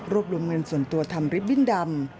รวมเงินส่วนตัวทำลิฟตบิ้นดำ